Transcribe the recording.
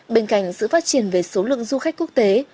bên cạnh sự phát triển về số lượng du khách quốc tế